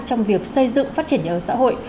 trong việc xây dựng phát triển nhà ở xã hội